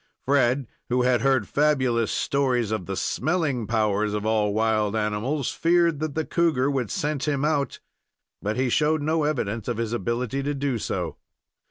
Fred, who had heard fabulous stories of the "smelling" powers of all wild animals, feared that the cougar would scent him out, but he showed no evidence of his ability to do so.